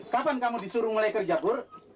kapan kamu disuruh mulai kerja kur